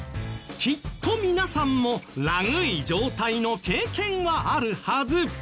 きっと皆さんもラグい状態の経験はあるはず。